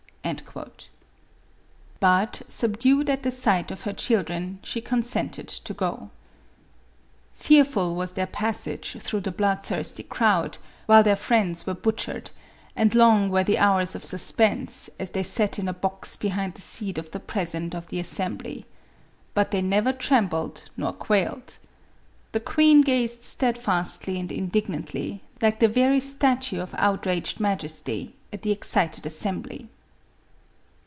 But, subdued at the sight of her children, she consented to go. Fearful was their passage through the blood thirsty crowd, while their friends were butch ered, and long were the hours of suspense, as they sat in a box behind the seat of the president of the Assem bly. But they never trembled nor quailed. The queen gazed steadfastly and indignantly, like the very statue of outraged majesty, at the excited assembly.